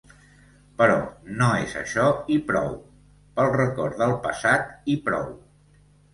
Però no és això i prou, pel record del passat i prou.